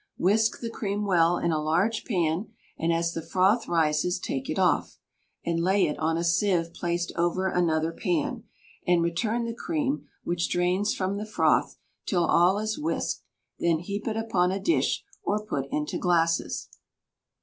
Whisk the cream well in a large pan, and as the froth rises, take it off, and lay it on a sieve placed over another pan, and return the cream which drains from the froth till all is whisked; then heap it upon a dish, or put it into glasses.